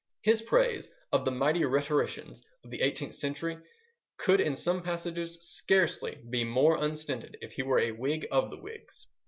His praise of the mighty rhetoricians of the eighteenth century could in some passages scarcely be more unstinted if he were a Whig of the Whigs.